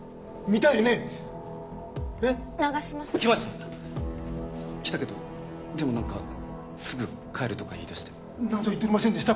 長嶋さん来ました来たけどでも何かすぐ帰るとか言いだして何ぞ言っとりませんでした？